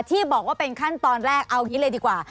ที่บอกว่าเป็นขั้นตอนแรกเอาอย่างนี้เลยดีกว่า